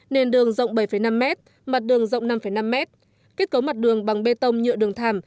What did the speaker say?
nền đường rộng bảy năm mét mặt đường rộng năm năm m kết cấu mặt đường bằng bê tông nhựa đường thàm